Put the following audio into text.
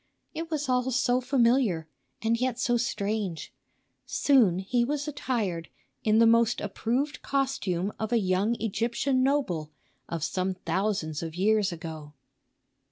It was all so familiar, and yet so strange. Soon he was attired in the most approved costume of a young Egyptian noble of some thousands of years ago.